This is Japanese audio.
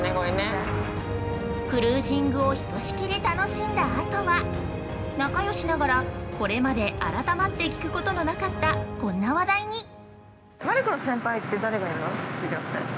◆クルージングをひとしきり楽しんだあとは仲良しながら、これまで改まって聞くことのなかった、こんな話題に。